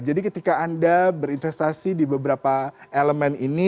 ketika anda berinvestasi di beberapa elemen ini